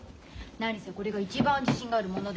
何せこれが一番自信があるもので。